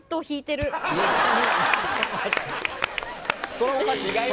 そらおかしい。